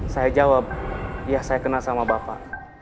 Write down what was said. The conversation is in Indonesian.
saya jawab ya saya kenal sama bapak